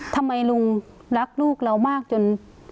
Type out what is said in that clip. ทำไมลุงรักลูกเรามากจน